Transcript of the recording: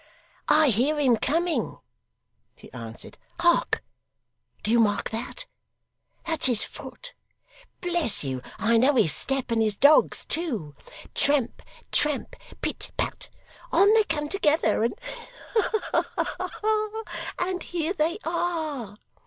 'I hear him coming,' he answered: 'Hark! Do you mark that? That's his foot! Bless you, I know his step, and his dog's too. Tramp, tramp, pit pat, on they come together, and, ha ha ha! and here they are!